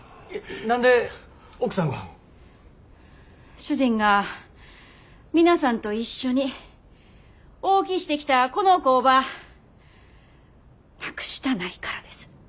主人が皆さんと一緒に大きしてきたこの工場なくしたないからです。